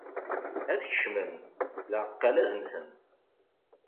Ad t-kecmen! Lɛeqqal ad mmten.